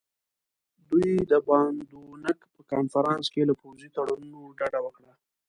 دوی د باندونک په کنفرانس کې له پوځي تړونونو ډډه وکړه.